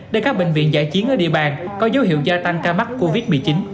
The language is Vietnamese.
để các bệnh viện giải chiến ở địa bàn có dấu hiệu gia tăng ca mắc covid một mươi chín